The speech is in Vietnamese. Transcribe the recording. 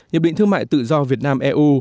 hiệp định thương mại tự do việt nam eu